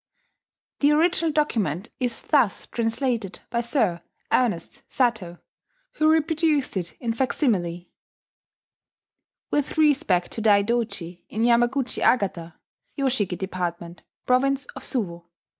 The original document is thus translated by Sir Ernest Satow, who reproduced it in facsimile: "With respect to Daidoji in Yamaguchi Agata, Yoshiki department, province of Suwo.